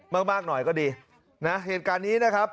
มากมากหน่อยก็ดีนะเหตุการณ์นี้นะครับ